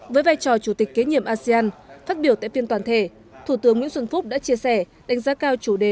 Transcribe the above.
với vai trò chủ tịch kế nhiệm asean phát biểu tại phiên toàn thể thủ tướng nguyễn xuân phúc đã chia sẻ đánh giá cao chủ đề